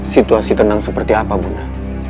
situasi tenang seperti apa bunda